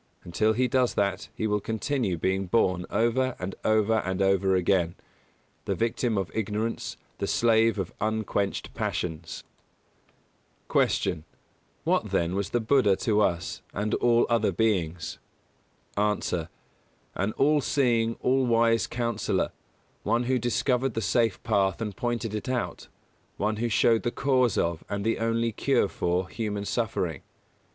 Until he does that he will continue being born over and over and over again the victim of ignorance, the slave of unquenched passions. 169. Q. What, then, was the Buddha to us, and all other beings? A. An all seeing, all wise Counsellor; one who discovered the safe path and pointed it out; one who showed the cause of, and the only cure for, human suffering.